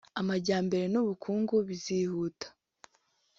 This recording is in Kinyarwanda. amajyambere n’ubukungu bizihuta